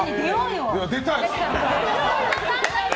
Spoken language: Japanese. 出たい！